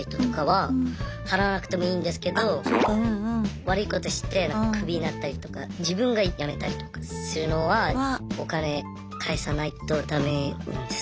悪いことしてクビになったりとか自分がやめたりとかするのはお金返さないとダメなんです。